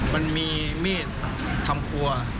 มันมีมีดทำครัว